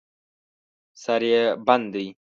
سر یې بند دی.